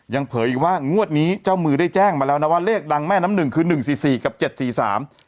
เผยอีกว่างวดนี้เจ้ามือได้แจ้งมาแล้วนะว่าเลขดังแม่น้ำหนึ่งคือหนึ่งสี่สี่กับเจ็ดสี่สาม